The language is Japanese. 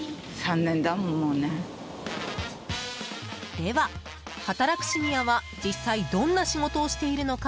では、働くシニアは実際どんな仕事をしているのか。